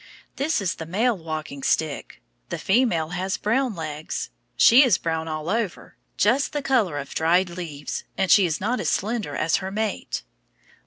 This is the male walking stick; the female has brown legs. She is brown all over, just the color of dried leaves, and she is not as slender as her mate.